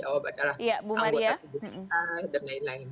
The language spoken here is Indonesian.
anggota kebuddhan dan lain lain